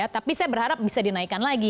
tapi saya berharap bisa dinaikkan lagi